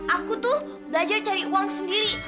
aku tuh belajar cari uang sendiri